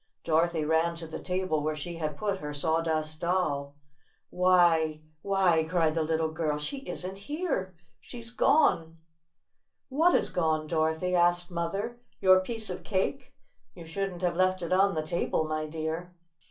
Dorothy ran to the table where she had put her Sawdust Doll. "Why! Why!" cried the little girl. 6 6 She isn 't here ! She 's gone !' 7 "What is gone, Dorothy?" asked Mother. "Your piece of cake? You shouldn't have left it on the table, my dear."